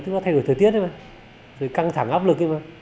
tức là thay đổi thời tiết ấy mà rồi căng thẳng áp lực ấy mà